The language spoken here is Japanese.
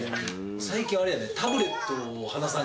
最近あれやね。